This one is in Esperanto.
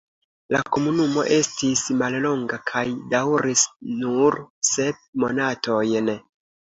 La komunumo estis mallonga kaj daŭris nur sep monatojn.